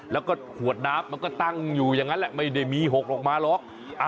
แล้วก็ขวดน้ำมันก็ตั้งอยู่อย่างนั้นแหละไม่ได้มี๖ออกมาหรอก